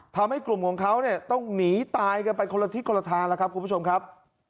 ทำให้กลุ่มของเขาเนี่ยต้องหนีตายกันไปคนละทิศคนละทางแล้วครับคุณผู้ชมครับ